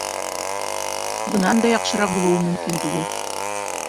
Бынан да яҡшыраҡ булыуы мөмкин түгел